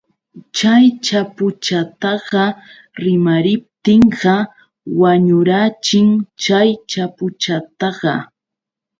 Chay chapuchataqa rimariptinqa wañurachin chay chapuchataqa.